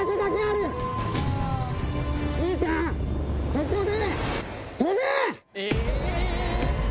そこで。